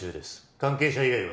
関係者以外は。